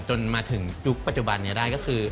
จนมาถึงยุคปัจจุบันนี้ได้ก็คือ